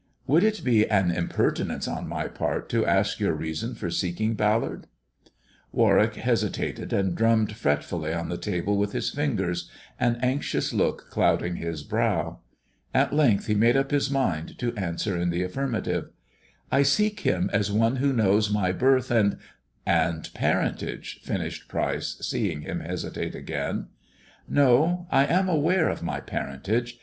Would it be an impertinence on my part to ask your reason for seeking Ballard 1 " Warwick hesitated, and drummed fretfully on the table with his fingers, an anxious look clouding his brow. At length he made up his mind to answer in the afBrmative. " I seek him as one who knows my birth and " "And parentage," finished Pryce, seeing him hesitate again. " No. I am aware of my parentage.